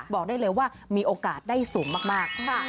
บอกได้เลยว่ามีโอกาสได้สูงมาก